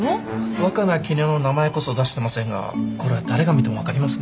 若菜絹代の名前こそ出してませんがこれは誰が見ても分かりますね。